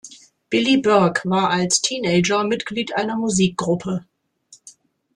Billy Burke war als Teenager Mitglied einer Musikgruppe.